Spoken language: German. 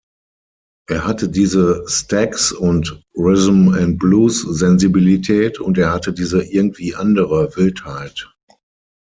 Er hatte diese Stax- und Rhythm&Blues-Sensibilität, und er hatte diese irgendwie andere Wildheit.